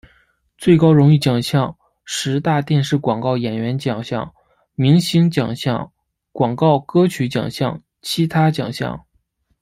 最高荣誉奖项十大电视广告演员奖项明星奖项广告歌曲奖项其他奖项